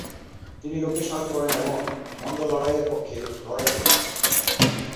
তিনি লোকদের সাহায্য করেন এবং মন্দ লড়াইয়ের পক্ষে লড়াই করেন।